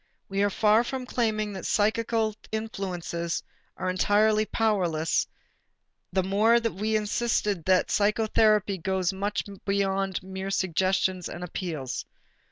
We are far from claiming that psychical influences are entirely powerless, the more as we insisted that psychotherapy goes much beyond mere suggestions and appeals.